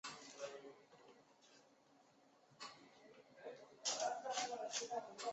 家臣们继续向纲村提出隐居的要求。